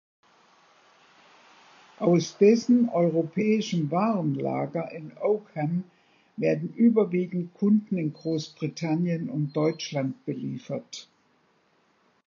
Aus dessen europäischem Warenlager in Oakham werden überwiegend Kunden in Großbritannien und Deutschland beliefert.